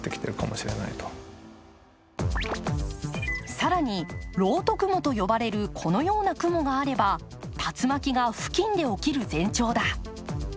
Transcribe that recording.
更に、漏斗雲と呼ばれるこのような雲があれば竜巻が付近で起きる前兆だ。